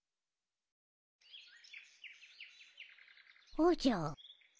おじゃ。